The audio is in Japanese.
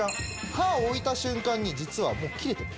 刃置いた瞬間に実はもう切れてる。